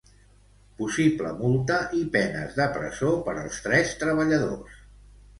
Possible multa i penes de presó per als tres treballadors.